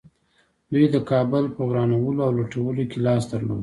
دوی د کابل په ورانولو او لوټولو کې لاس درلود